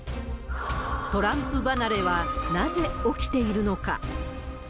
トランプ離れはなぜ起きているのか。